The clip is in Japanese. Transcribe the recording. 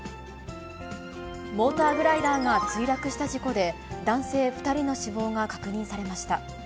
モーターグライダーが墜落した事故で、男性２人の死亡が確認されました。